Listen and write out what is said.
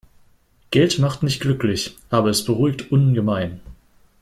Geld macht nicht glücklich, aber es beruhigt ungemein.